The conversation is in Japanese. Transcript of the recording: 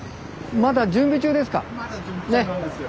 まだ準備中なんですよ。